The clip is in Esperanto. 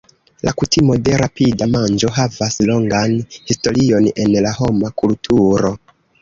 La kutimo de rapida manĝo havas longan historion en la homa kulturo.